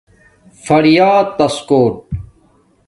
فریاتَس کوٹ